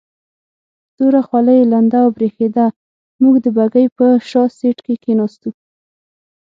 توره خولۍ یې لنده او برېښېده، موږ د بګۍ په شا سیټ کې کېناستو.